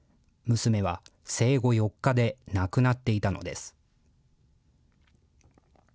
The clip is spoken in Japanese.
娘は生後４日で亡くなっていたのです。